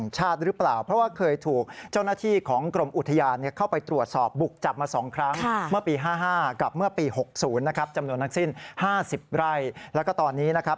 แล้วก็ตอนนี้นะครับ